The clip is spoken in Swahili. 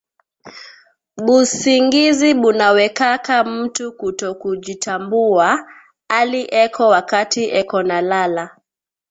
Busingizi buna wekaka mutu kuto kujitambuwa ali eko wakati eko na lala